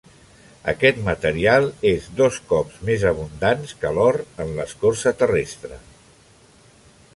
Aquest material és dos cops més abundants que l'or en l'escorça terrestre.